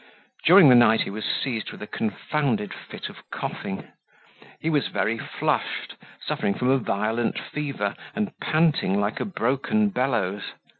During the night he was seized with a confounded fit of coughing. He was very flushed, suffering from a violent fever and panting like a broken bellows.